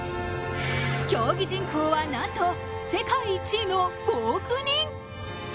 競技人口は、なんと世界１位の５億人。